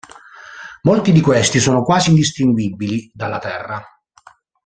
Molti di questi sono quasi indistinguibili dalla Terra.